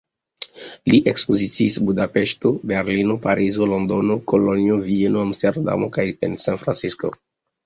Li ekspoziciis Budapeŝto, Berlino, Parizo, Londono, Kolonjo, Vieno, Amsterdamo kaj en San Francisco.